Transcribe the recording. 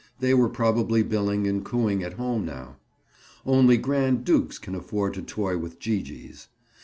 They were probably billing and cooing at home now. Only grand dukes can afford to toy with Gee gees.